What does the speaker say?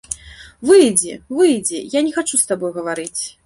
Выйдзі, выйдзі, я не хачу з табой гаварыць.